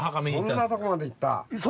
そんなとこまで行った。